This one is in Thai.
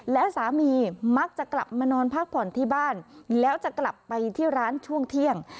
และสามีมักจะกลับมานอนพักผ่อนที่บ้านแล้วจะกลับไปที่ร้านช่วงเที่ยง